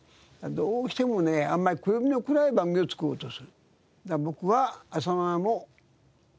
どうしてもねあんまりクレームの来ない番組を作ろうとする。